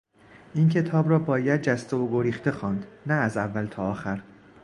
این کتاب را باید جسته و گریخته خواند، نه از اول تا آخر.